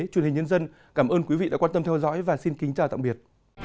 truyền hình nhân dân cảm ơn quý vị đã quan tâm theo dõi và xin kính chào tạm biệt